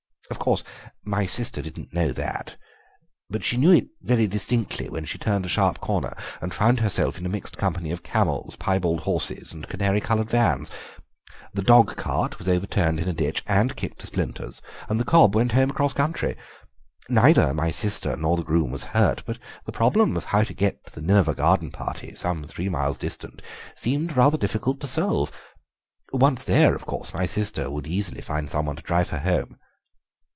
Of course my sister didn't know that, but she knew it very distinctly when she turned a sharp corner and found herself in a mixed company of camels, piebald horses, and canary coloured vans. The dogcart was overturned in a ditch and kicked to splinters, and the cob went home across country. Neither my sister nor the groom was hurt, but the problem of how to get to the Nineveh garden party, some three miles distant, seemed rather difficult to solve; once there, of course, my sister would easily find some one to drive her home.